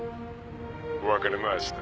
分かりました。